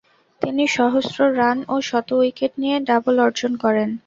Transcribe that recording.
তিনি সহস্র রান ও শত উইকেট নিয়ে ডাবল অর্জন করেন।